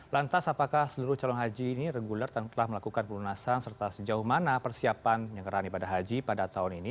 lantas apakah seluruh calon haji ini reguler dan telah melakukan pelunasan serta sejauh mana persiapan penyegeran ibadah haji pada tahun ini